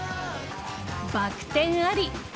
バク転あり。